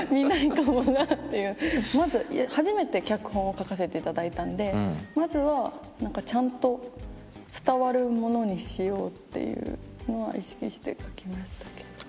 初めて脚本を書かせていただいたんでまずはちゃんと伝わるものにしようっていうのは意識して書きましたけど。